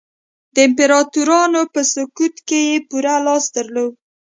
د امپراتورانو په سقوط کې یې پوره لاس درلود.